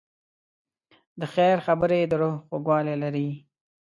د خیر خبرې د روح خوږوالی لري.